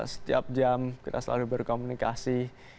setiap jam kita selalu berkomunikasi